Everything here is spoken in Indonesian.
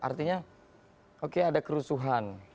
artinya oke ada kerusuhan